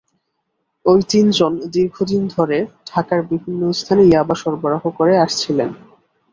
ওই তিনজন দীর্ঘদিন ধরে ঢাকার বিভিন্ন স্থানে ইয়াবা সরবরাহ করে আসছিলেন।